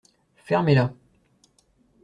Fermez-la.